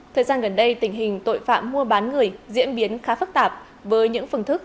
thời gian gần đây tình hình tội phạm mua bán người diễn biến khá phức tạp với những phương thức